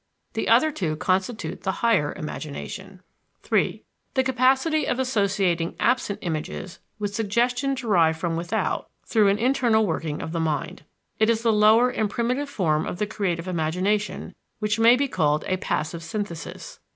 The other two constitute the higher imagination. 3. The capacity of associating absent images, without suggestion derived from without, through an internal working of the mind. It is the lower and primitive form of the creative imagination, which may be called a passive synthesis.